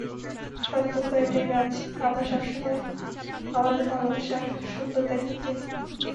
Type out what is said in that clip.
সত্য তো এটাই রাজ, আমরা সবসময় আমাদের ভালবাসা সুন্দর দেখতে চাই।